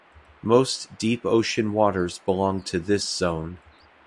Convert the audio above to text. Most deep ocean waters belong to this zone.